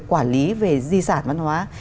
quản lý về di sản văn hóa